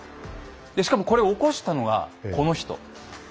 でしかもこれ起こしたのがこの人。